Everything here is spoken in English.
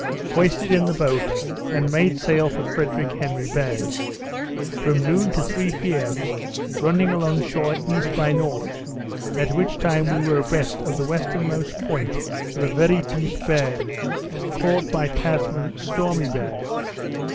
Hoisted in the boat, and made sail for Frederick Henry Bay. From noon to three p.m. running along shore E. by N., at which time we were abreast of the westernmost point of a very deep bay, called by Tasman, Stormy Bay.